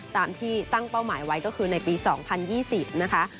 ตามที่ตั้งเป้าหมายไว้ก็คือในปี๒๐๒๐นะคะ